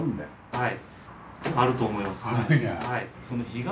はい。